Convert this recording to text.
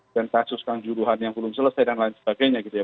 dan kasus kan juruhan yang belum selesai dan lain sebagainya gitu ya